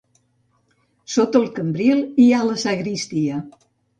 Sota el cambril hi ha la sagristia.